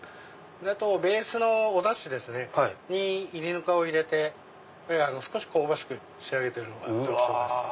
あとベースのおダシにいりぬかを入れて少し香ばしく仕上げてるのが特徴です。